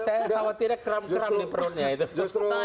saya kalau tidak keram keram di perutnya itu